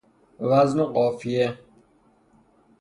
وزن و قافیه